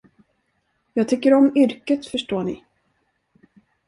Jag tycker om yrket, förstår ni.